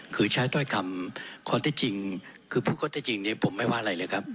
คือใช้ต้อยกำข้อติจริงคือพูดจริงนี้ผมไม่ว่าอะไรเลยครับ